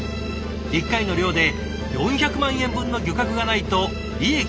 一回の漁で４００万円分の漁獲がないと利益が出ない。